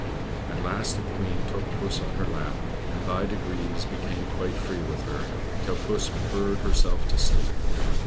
At last the Queen took puss on her lap, and by degrees became quite free with her, till puss purred herself to sleep.